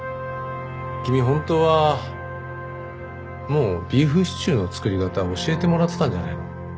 君本当はもうビーフシチューの作り方教えてもらってたんじゃないの？